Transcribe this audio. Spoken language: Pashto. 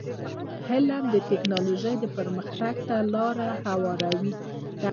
علم د ټکنالوژی پرمختګ ته لار هواروي.